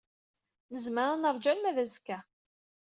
Nezmer ad neṛju arma d azekka.